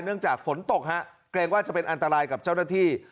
จากฝนตกฮะเกรงว่าจะเป็นอันตรายกับเจ้าหน้าที่